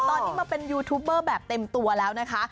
ตอนนี้มาเป็นยูทูปเบอร์แบบเต็มตัวแล้วนะคะ